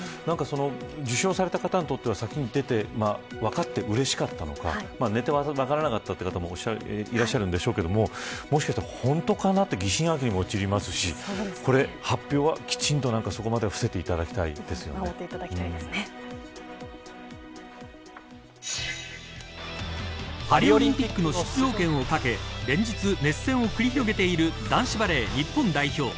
受賞された方にとっては先に出て分かってうれしかったのか寝て分からなかったとおっしゃった方もいらっしゃるでしょうけれどもしかして本当かなって疑心暗鬼に陥りますし発表は、きちんと、そこまではパリオリンピックの出場権を懸け連日熱戦を繰り広げている男子バレー日本代表。